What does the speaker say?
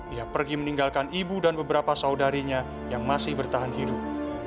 ia pergi meninggalkan ibu dan beberapa saudarinya yang masih bertahan hidup